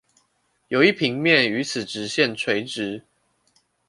有一平面與此直線垂直